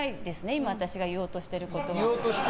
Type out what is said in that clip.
今、私が言おうとしてることは。